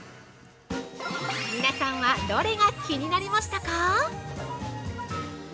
◆皆さんは、どれが気になりましたか。